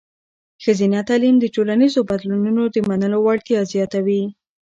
ښځینه تعلیم د ټولنیزو بدلونونو د منلو وړتیا زیاتوي.